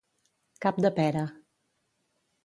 Cap de pera.